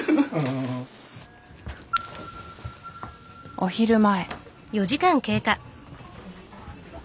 お昼前。